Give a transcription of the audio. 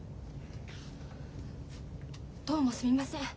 どうもすみません。